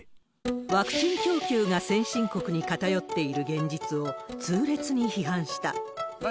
ワクチン供給が先進国に偏っている現実を、痛烈に批判した。